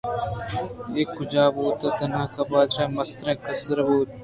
بے کِچّ ءُ تُوت نکینکانی بادشاہ ءُ مستر ءُ کستر بُوت